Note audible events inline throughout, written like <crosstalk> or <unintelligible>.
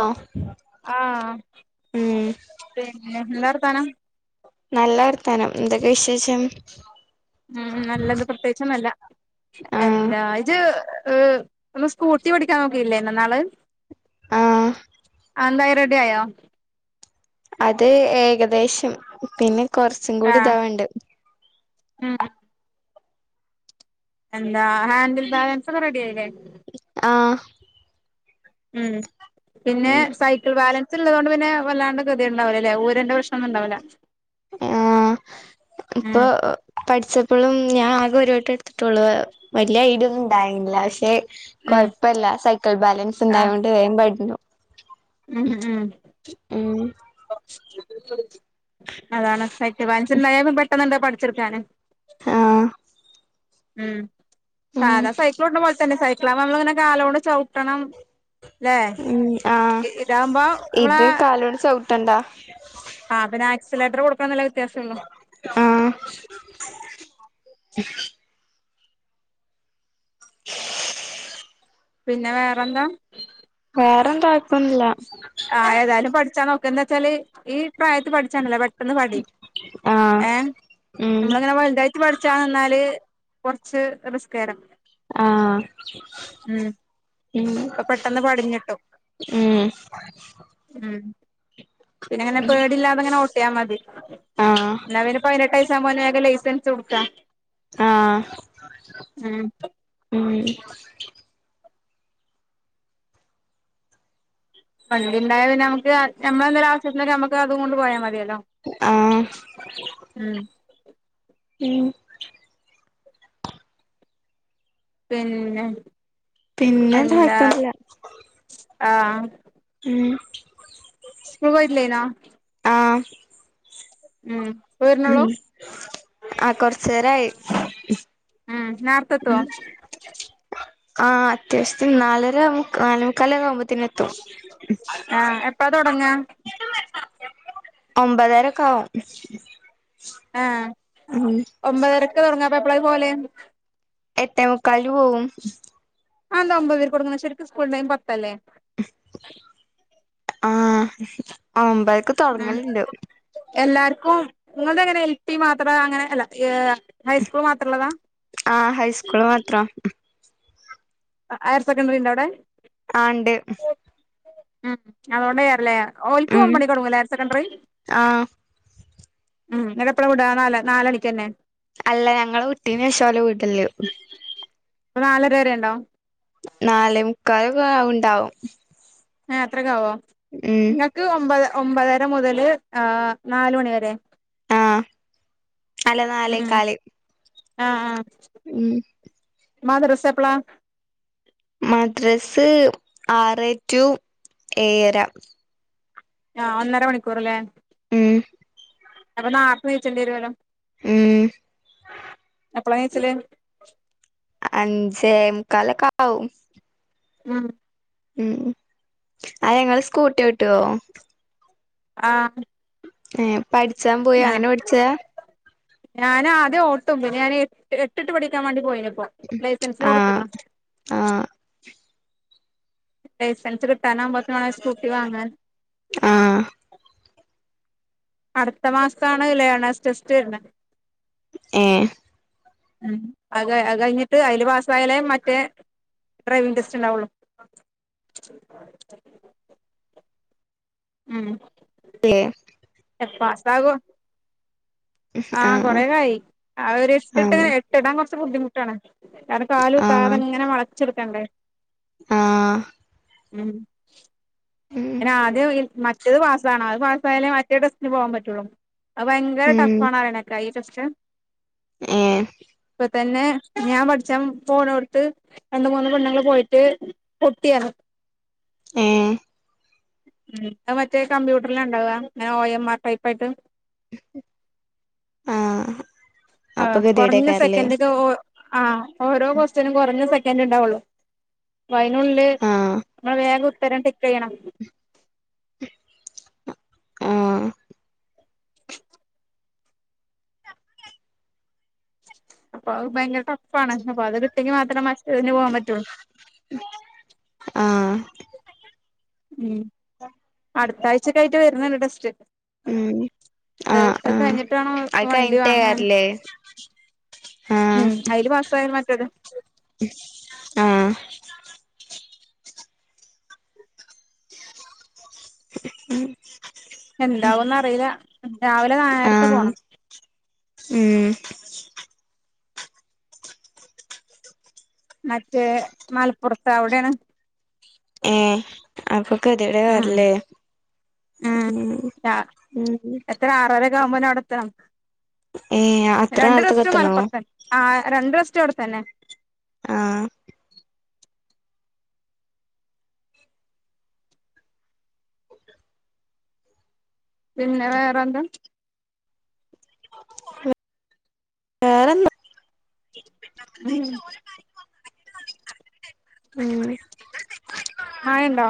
ഓ ആഹ് ഉം പിന്നെ എന്താ വർത്താനം നല്ല വർത്താനം എന്തൊക്കെ വിശേഷം ഉം നല്ലത് പ്രത്യേകിച്ചൊന്നുല്ല ആഹ് എന്താ ഇജ് ഏഹ് ഒന്ന് സ്കൂട്ടി പഠിക്കാൻ നോക്കില്ലേന്നോ നാള് ആഹ് അതെന്തായി റഡി ആയോ അത് ഏകദേശം പിന്നെ കൊറച്ചുങ്കൂടി ആഹ് ഇതാവാണ്ട് ഉം എന്താ ഹാൻഡിൽ ബാലൻസൊക്കെ റെഡി ആയില്ലേ ആഹ് ഉം പിന്നെ ഉം സൈക്കിൾ ബാലൻ ള്ളത്കൊണ്ട് പിന്നെ വല്ലാണ്ട് കത്യേട് ഉണ്ടാവില്ല അല്ലേ ഊരന്റെ പ്രശ്നം ഒന്നും ഉണ്ടാവില്ല ആ ഇപ്പൊ പഠിച്ചപ്പോഴും ഞാൻ ആകെ ഒരുട്ട് ത്തിട്ടുള്ള വലിയ ഐഡിയൊന്നും ഉണ്ടായിരുന്നില്ല പക്ഷെ ഉം കൊഴപ്പല്ല സൈക്കിൾ ബാലൻസ് ആഹ് ഉണ്ടായോണ്ട് വേം പട്ഞു ഉം ഉം ഉം അതാണ് സൈക്കിൾ ബാലൻസ് ണ്ടായ പെട്ടെന്നണ്ടോ പഠിച്ചെടുക്കാന് ആഹ് ഉം ഉം സാധാ സൈക്കിളോട്ട്ണ പോലെ തന്നെ സൈക്കിൾ ആവുമ്പോ നമ്മള് പിന്നെ കാലോണ്ട് ചവിട്ടണം അല്ലെ ഉം ആഹ് ഇതാകുമ്പം നമ്മള ഇത് കാലോണ്ട് ചവിട്ടണ്ടാ ആ പിന്നെ ആക്സിലേറ്റർ കൊടുക്കന്ന്ള്ള വ്യത്യാസംള്ളു ആഹ് <unintelligible> <inaudible> പിന്നെ വേറെന്താ വേറെന്താ ആക്കുന്നില്ല പഠാ നോക്ക എന്താച്ചാല് ഈ പ്രായത്തിൽ പഠിച്ചാണ്ടല്ലോ പെട്ടെന്ന് പഠിയും ആഹ് ഏഹ് ഉം നമ്മള് അങ്ങ്നെ വുലുതായിട്ട് പഠിച്ചാന്നാല് കുറച്ച് റിസ്കേരം ആഹ് ഉം ഉ ഇപ്പൊ പെട്ടെന്ന് പടിഞ്ഞിട്ടും ഉം ഉം പിന്നെയിങ്ങനെ പേടിയില്ലാതെയിങ്ങനെ ഓട്ടിയാൽ മതി ആഹ് എന്നാൽപ്പിന്നെ പതിനെട്ട് വയസ്സ് ആകുമ്പോൾ അവനു വേഗം ലൈസൻസ്സും എടുക്കാം ആഹ്... ഉം വണ്ടി ഉണ്ടായൽ പിന്നെ നമുക്ക് നമ്മളുടെയെന്തെങ്കിലും ഒരു ആവശ്യത്തിന് നമുക്ക് അതുകൊണ്ട് പോയാൽ മതിയല്ലോ ആഹ് ആ ഉം ഉം പിന്നെ... പിന്നെ എന്താ കൊഴപ്പൊന്നുല്ല ആഹ് ഉം സ്കൂളി പോയിട്ടില്ലേനോ? ആഹ് ഉം ഇപ്പ ഉം വരണുള്ളൂ ആഹ് കൊറച്ചു നേരായി. ഉം ഉം നേരത്തെത്തുവോ ആഹ് അത്യാവശ്യത്തിന് നാലര മു നാലേമുക്കാലാവുമ്പോഴെത്തേന് ആ എപ്പാ തൊടങ്ങാ? ഒൻപതരക്കെ ആവും. ആഹ് ഉം ഒൻപതരക്കാ തൊടങ്ങാ? അപ്പോ എപ്പളാ പോവല്? ഏട്ടേമുക്കാലിന് പോവും. അതെന്താ ഒമ്പതരയ്ക്ക് തൊടങ്ങുന്നത്? ശരിക്കും സ്കൂൾ ടൈം പത്തല്ലേ? മ്ഹും ആഹ് ഒമ് പതരയ്ക്ക് തൊടങ്ങലുണ്ട്. ക്കും നിങ്ങൾക്ക് എങ്ങനാ എൽ പി മാത്രാ? അങ്ങനെ അല്ല ഏഹ് ഹൈസ്കൂൾ മാത്രോള്ളതാ? ആഹ് ഹൈസ്കൂള് മാത്രം ഹയർ സെക്കൻഡറിയുണ്ടോ അവിടെ? ആഹ് ഇണ്ട്. ഉം അതോണ്ടാ <unintelligible> ഓല്ക്കും ഉം ഒമ്പത് മണിക്ക് തൊടങ്ങുമല്ലേ ഹയർ സെക്കൻഡറി? ആഹ് ഉം എന്നിട്ട് എപ്പോഴാ വിടാ? നാ നാലണിക്ക് തന്നെ? അല്ല ഞങ്ങളെ വിട്ടേനു ശേഷാ ഒലെ വിടല്. <unintelligible> നാലര വരെ ഒണ്ടോ? നാലേമുക്കാലൊക്കെ ആവുണ്ടാണ്ടാവും. ഏഹ് അത്രയുമൊക്കെ ആവുമോ? നിങ്ങൾക്ക് ഒൻപത് ഒൻപതര മുതൽ ആഹ് നാല് മണി വരെ. ആഹ് അല്ല ഉം നാലേക്കാൽ ആഹ് ആഹ് മദ്രസ എപ്പളാ മദ്രസ് ആറേ ടു ഏഴര ആഹ് ഒന്നര മണിക്കൂർ അല്ലേ? ഉം അപ്പോൾ നേരത്തെ നീച്ചണ്ടി വരോലോ ഉം എപ്പളാ നീചല് അഞ്ചേമുക്കാൽ ഒക്കെയാവും ഉം ഉം അതെ നിങ്ങൾ സ്കൂട്ടി ഓട്ടോ ആഹ് ഏഹ് പഠ്ച്ചാൻ പോയി. ഞാ അങ്ങനെ പഠിച്ചതാ? ഞാൻ ആദ്യം ഓടിക്കും. പിന്നെ ഞാൻ എട്ട് എട്ടിട്ട് പഠിക്കാൻ വേണ്ടി പോയിരുന്നു. ലൈസൻസിന് ആഹ് കൊടുത്തുക്ക്ണ് ആഹ് ലൈസെൻസ് കിട്ടാൻ ആവുമ്പോഴേക്കും വേണം സ്കൂട്ടി വാങ്ങാൻ ആഹ് അടുത്ത മാസാണ് ലേണേഴ്സ് ടെസ്റ്റ് വരുന്നത്. ഏഹ് ഉം അ കഴിഞ്ഞിട്ട് അയ്ല് പാസായലേ മറ്റേ ഡ്രൈവിംഗ് ടെസ്റ്റ് ഉണ്ടാവുള്ളു ഉം ഏഹ് എ പ്പാസാകോ? ആഹ് കൊറെകായി ആഹ് ഒര്ട്ടിട്ട് ആഹ് എട്ടിടാൻ കുറച്ച് ബുദ്ധിമുട്ടാണ് ത്താതെ കാലുത്താതെ ഇങ്ങനെ വളച്ചെടുക്കണ്ടേ ആ ഉം പിന്നാദ്യം മറ്റത് പാസ്സ ആണം. അത് പാസ്സായാലേ മറ്റേ ടെസ്റ്റിന് പോകാൻ പറ്റുള്ളു അത് ഭയങ്കര ഉം ടഫ് ആണാറിണേക്കാ ഈ ജടെസ്റ്റ് ഏഹ് ഇപ്പൊ തന്നെ ഞാൻ പഠിച്ചാൻ ഫോണോട്ത്ത് രണ്ട് മൂന്ന് പെണ്ണ്ങ്ങള് പോയിട്ട് പൊട്ടിയാ ഏഹ് ഉ അ മറ്റേ കമ്പ്യൂട്ടറിലണ്ടാവ ങ്ങനെ ഒ എം ആർ ടൈപ്പായിട്ട് ആ ആ കുറഞ്ഞ സെക്കൻഡക്ക ആ ഓരോ കൊസ്റ്റനും കുറഞ്ഞ സെക്കൻ ണ്ടാവുള്ളൂ പ്പയനുള്ളില് നമ്മള് വേഗം ഉത്തരം ടിക്കെയ്യണം ആ അപ്പൊ അത് ഭയങ്കര ടഫ്ഫാണ് അപ്പൊ അതിട്ടെങ്കി മാത്രം ഇയ്ന് പോവാൻ പറ്റുള്ളൂ ആഹ് ഉം അടുത്ത ആഴ്ചക്കായിട്ട് വരുന്നണ്ട് ടെസ്റ്റ് ഉം ആഹ് ഏത് ആഹ് കഴിഞ്ഞിട്ടാണോ അത് വണ്ടി വാങ്ങാൻ കഴിഞ്ഞിട്ടേക്കാരല്ലേ ആഹ് ഉം അതിൽ പാസായാല മറ്റത് ആ ഉം എന്താവന്നറീല്ല രാവിലെ നാർത്തെ ആഹ് പോണം ഉം മറ്റേ മലപ്പുറത്ത് അവിടെയാണ് ഏ അപ്പൊക്ക കെതേടേക്കാരം ല്ലേ ഉം എത്ര ആറരക്കാവുമ്പോനെ അവിടെത്താണം ഏഹ് അത്ര രണ്ട് നേരത്തൊക്കെ ടെസ്റ്റും എത്തണോ മലപ്പുറത്തെന്നെ ആ രണ്ട് ടെസ്റ്റും അവിടെത്തന്നെ ആ പിന്നെ വേറെന്താ വേറെന്താ ഉം ആ മഴ ണ്ടാ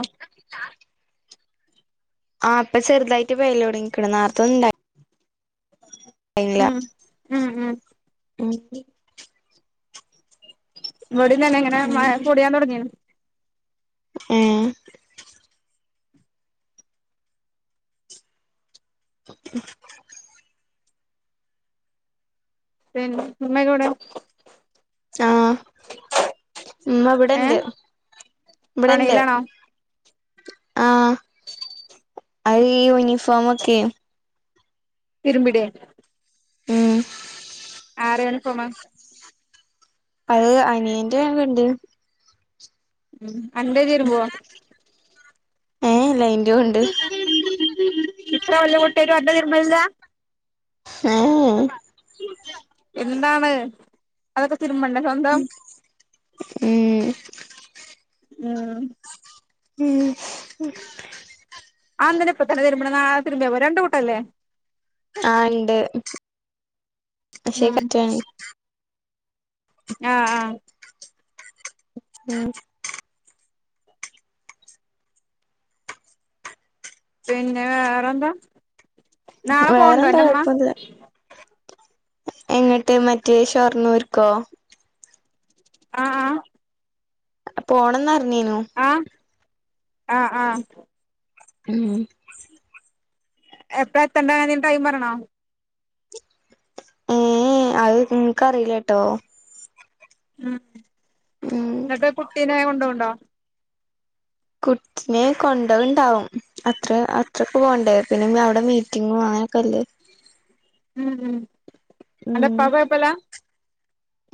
ആ ഇപ്പൊ ചെറുതായിട്ട് പെയ്യലോട്ങ്ങിക്കിണു ന്നാർത്തൊന്നണ്ടായ് യ്ലീന ഉം ഉം ഉം ഉം ഇവിടിം തന്നെ ങ്ങനെ ഉം പൊടിയാൻ തുടങ്ങിണ് ഏഹ് പിന്നെ മ്മക്കവ്ടെ ആ മ്മ ഏ ഇവിടെണ്ട് ഇവിടെണ്ട് പണിയിലാണോ അയ് യൂണിഫോമൊക്കെ തിരുമ്പിടേ ഉം ആറാണ് ഫോമ അത് അനിയൻ്റെ -ണ്ട് ഉം അൻ്റെ തിരുമ്പുവോ ഏ ലൈ <unintelligible> ങ്‌ ഹേ എന്താണ് തിരുമ്പണ്ടേ സ്വന്തം ഉം ഉം ഉം അതെന്തിനാ ഇപ്പത്തന്നെ തിരുബന്നെ നാളെ തിരുമ്പി പോരെ രണ്ട് കൂട്ടല്ലേ ആ ഇണ്ട് ക്ഷേ കട്ടൻ ആ ആ ഉം പിന്നെ വേറെന്താ നാളെ പോണ്ട വേറെന്താ അന്റെമ്മ കൊഴപ്പൊന്നുല്ല എങ്ങട്ട് മറ്റേ ഷോർനൂർക്കോ ആ ഹ ആ പോണംന്ന് പറഞ്ഞനു അ ആ മ്മ് എപ്പളാ എത്തണ്ട് കാര്യം ടൈം പറയണോ ങ്‌ ഹ് അതിനകറീല്ലട്ടോ ഉം ങ്ങട്ട് കുട്ടിനെ കൊണ്ടോന്നുണ്ടോ കൊച്ചിനെ കൊണ്ടൊണ്ടാവാം ങ്‌ ഹ് അന്റെ ഉം പ്പാക് കൊയപ്പല്ല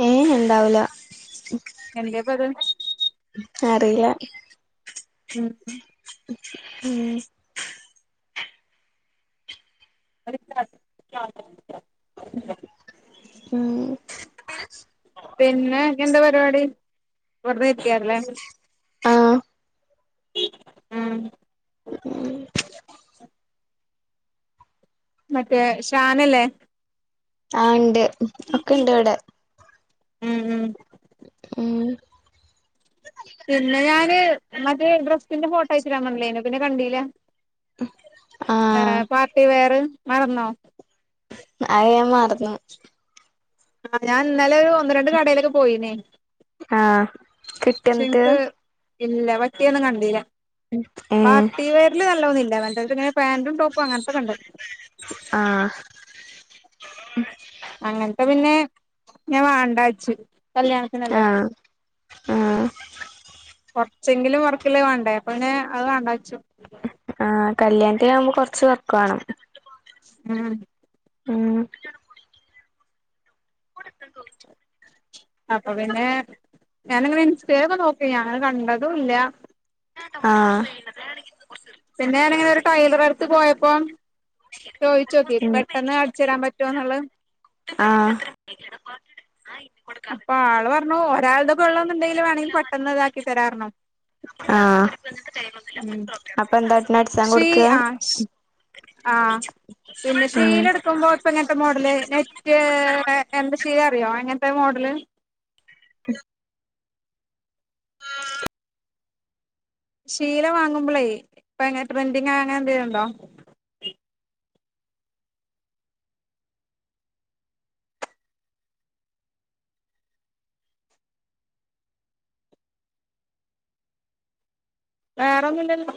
ഏ ഉണ്ടാവൂല എന്തേ പത് അറീല ഉം ഉ ഉം <unintelligible> ഉം <inaudible> പിന്നെ എന്താ പരിപാടി വെറുതെയിരിക്കി എല്ലേ ആഹ് ഉം ഉ ഊ ഉം മറ്റേ ഷാനല്ലേ ആ ഇണ്ട് ഒക്കെ ഇണ്ട് ഇവിടെ ഉം ഉം ഉം പിന്നെ ഞാന് മറ്റേ ഡ്രെസ്സിന്റെ ഫോട്ടോ അയച്ചിടാൻ പറഞ്ഞ ല്ലേ പിന്നെ കണ്ടീല വേറെ ആഹ് പാർട്ടിവെയറ് മറന്നോ അയ് ഞാൻ മറന്നു അത് ഞാൻ ഇന്നലെ ഒന്ന് രണ്ട് കടീലൊക്കെ പോയീനി ആ കിട്ടിയോ ന്നട്ട് ഇല്ല പറ്റീതന്നും കണ്ടീല ഏ പാർട്ടിവെറിൽ നല്ലതോന്നില്ല മറ്റേതു പേന്റും ടോപ്പാക്കെ അംഗന്തൊക്കെയുണ്ട് ങ്‌ ഹാ അങ്ങനത്ത പിന്നെ ഞാൻ വാണ്ടച്ചു കല്യാണത്തിനല്ലേ ആഹ് ആഹ് ചെങ്കിലും വർക്കില് വാണ്ടേ അപ്പ. പിന്നെ അത് വാണ്ടച്ചു അ ആ കല്ലിയാനത്തിനാവുമ്പോ കൊർച് വർക്ക്‌ വേണം മ്മ് ഉം <unintelligible> അപ്പൊ പിന്നെ ഞാനങ്ങനെ ഇൻസ്റ്റെലൊക്കെ നോക്കി അങ്ങനെ കണ്ടതുല്ല ആഹ പിന്നെ ഞാനിങ്ങനെ ഒരു ടൈലറെ അടുത്ത് പോയപ്പോ ചോയിച്ചോക്കി ഉം പെട്ടെന്ന് അടിച്ചരാൻ പറ്റൊന്നുള്ളത് ആ അപ്പൊ ആള് പറഞ്ഞു ഒരാൾത് കൊള്ളാന്നുണ്ടെങ്കില് വേണെങ്കിൽ പെട്ടെന്ന് ഇതാക്കി തരാന്നർഞ്ഞു ആഹ ഉം ശ്രീ കൊടുക്ക ആഷ് ആഹ പിന്നെ ഉം ഷീല ഇട്ക്കുമ്പോ ഇപ്പ ഇ ങ്ങനത്തെ മോഡല് നെറ്റ് എന്താ ചെയ്യാ അറിയോ എങ്ങനത്തെ മോഡല് <inaudible> ആഹ ശീല വാങ്ങുമ്പളേ ഇപ്പങ്ങനെ ട്രെൻഡിങ് അങ്ങനെ എന്തേലുണ്ടോ വേറൊ ന്നും ഇല്ലല്ലോ